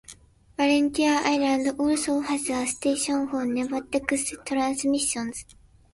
Valentia island also has a station for Navtex transmissions.